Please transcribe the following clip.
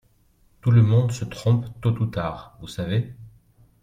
Tout le monde se trompe tôt ou tard, vous savez.